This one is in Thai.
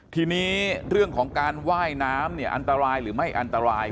ทีนี้เรื่องของการว่ายน้ำอันตรายหรือไม่อันตราย